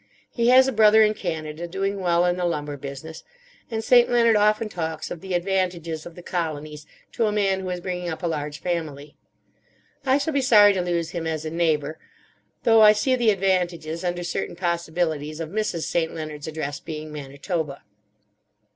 He has a brother in Canada doing well in the lumber business, and St. Leonard often talks of the advantages of the colonies to a man who is bringing up a large family. I shall be sorry to lose him as a neighbour; though I see the advantages, under certain possibilities, of Mrs. St. Leonard's address being Manitoba.